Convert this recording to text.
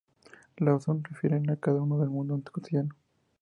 Las obras no refieren a nada del mundo cotidiano.